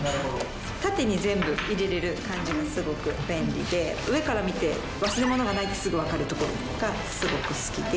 縦に全部入れれる感じがすごく便利で上から見て忘れ物がないってすぐ分かるところがすごく好きで。